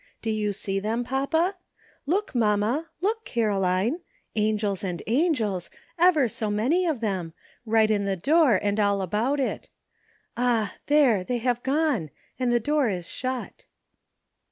Do you see them, papa? Look, mamma, look, Caroline ; angels and angels, ever so many of them, right in the door and all about it. Ah ! there, they have gone, and the door is shut."